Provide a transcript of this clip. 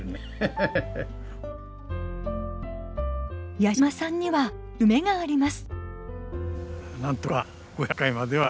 矢嶋さんには夢があります。